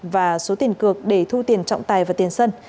và số tiền cược để thu tiền trọng tài và tiền sân